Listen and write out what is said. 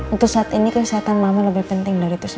untuk saat ini kesehatan mama lebih penting dari itu